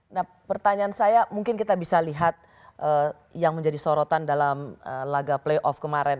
nah pertanyaan saya mungkin kita bisa lihat yang menjadi sorotan dalam laga playoff kemarin